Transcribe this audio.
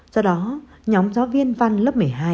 do đó nhóm giáo viên văn lớp một mươi hai